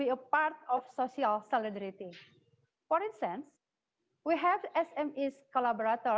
jadi akan sangat sulit untuk menghentikan situasi ini